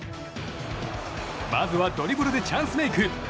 まずはドリブルでチャンスメイク。